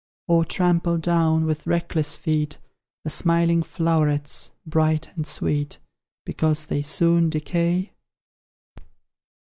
Or trample down, with reckless feet, The smiling flowerets, bright and sweet, Because they soon decay?